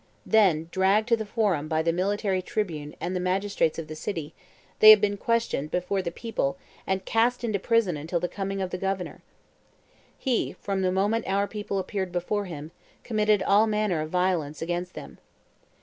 Then, dragged to the forum by the military tribune and the magistrates of the city, they have been questioned before the people and cast into prison until the coming of the governor. He, from the moment our people appeared before him, committed all manner of violence against them.